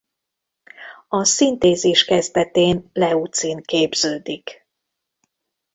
A szintézis kezdetén leucin képződik.